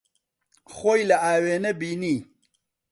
خۆی لە ئاوێنە بینی.